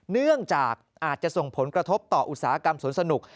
เนื่องจากอาจจะส่งผลกระทบต่ออุตสาหกรรมสวนสนุก